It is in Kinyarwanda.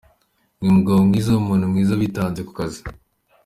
Ni umugabo mwiza; umuntu mwiza witanze ku kazi.